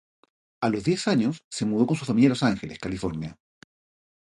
A los diez años se mudó con su familia a Los Ángeles, California.